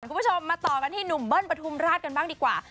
คุณผู้ชมมาต่อกันที่หนุ่มเบิ้ลปฐุมราชกันบ้างดีกว่า